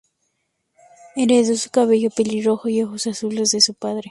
Heredó su cabello pelirrojo y ojos azules de su padre.